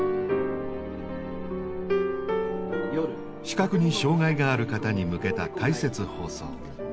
視覚に障害がある方に向けた「解説放送」。